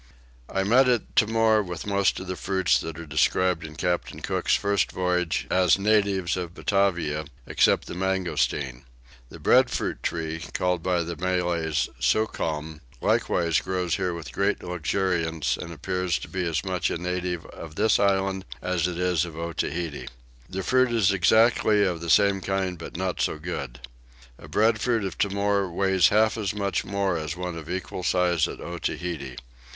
I met at Timor with most of the fruits that are described in Captain Cook's first voyage as natives of Batavia, except the mangosteen. The breadfruit tree, called by the Malays soccoom, likewise grows here with great luxuriance and appears to be as much a native of this island as it is of Otaheite. The fruit is exactly of the same kind but not so good. A breadfruit of Timor weighs half as much more as one of equal size at Otaheite.